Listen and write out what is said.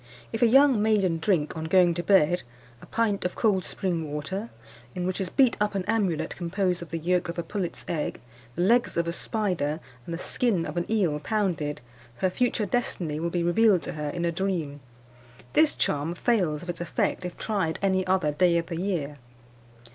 _ If a young maiden drink, on going to bed, a pint of cold spring water, in which is beat up an amulet, composed of the yolk of a pullet's egg, the legs of a spider, and the skin of an eel pounded, her future destiny will be revealed to her in a dream. This charm fails of its effect if tried any other day of the year.